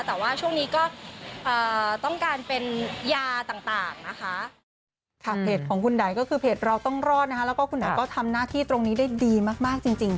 แต่ว่าช่วงนี้ก็ต้องการเป็นยาต่างนะคะ